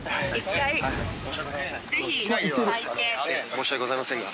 申し訳ございませんが。